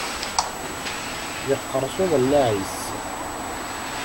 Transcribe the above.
Yeqqers uḍellaɛ-is.